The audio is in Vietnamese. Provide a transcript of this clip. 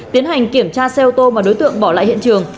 tiến hành kiểm tra xe ô tô mà đối tượng bỏ lại hiện trường